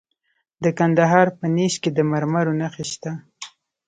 د کندهار په نیش کې د مرمرو نښې شته.